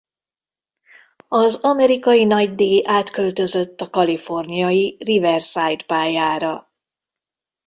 Az amerikai nagydíj átköltözött a kaliforniai Riverside pályára.